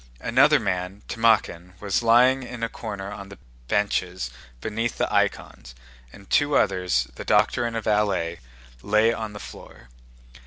Another man—Timókhin—was lying in a corner on the benches beneath the icons, and two others—the doctor and a valet—lay on the floor.